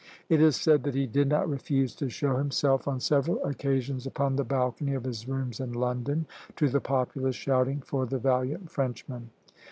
It is said that he did not refuse to show himself on several occasions upon the balcony of his rooms in London, to the populace shouting for the valiant Frenchman.